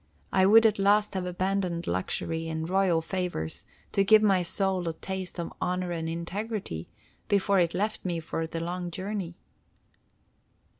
I would at last have abandoned luxury and royal favors to give my soul a taste of honor and integrity before it left me for the long journey."